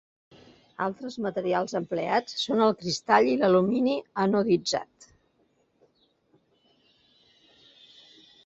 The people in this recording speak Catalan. Altres materials empleats són el cristall i l'alumini anoditzat.